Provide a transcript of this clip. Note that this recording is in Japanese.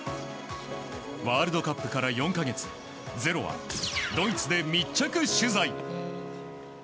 ワールドカップから４か月「ｚｅｒｏ」はドイツで密着取材。